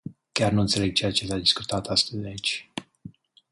Chiar nu înțeleg ceea s-a discutat astăzi aici.